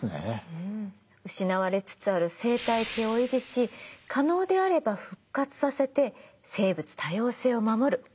失われつつある生態系を維持し可能であれば復活させて生物多様性を守る。